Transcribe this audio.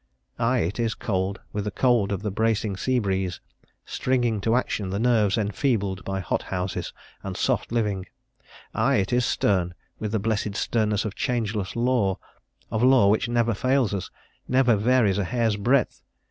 Ay, it is cold with the cold of the bracing sea breeze, stringing to action the nerves enfeebled by hot houses and soft living; ay, it is stern with the blessed sternness of changeless law, of law which never fails us, never varies a hair's breadth.